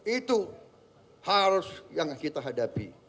itu harus yang kita hadapi